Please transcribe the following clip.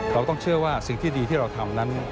เราต้องเชื่อว่าสิ่งที่ดีที่เราทำนั้น